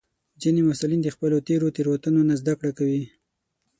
ځینې محصلین د خپلو تېرو تېروتنو نه زده کړه کوي.